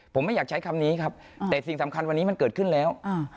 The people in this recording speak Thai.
ผมไม่อยากใช้คำนี้ครับแต่สิ่งสำคัญวันนี้มันเกิดขึ้นแล้ว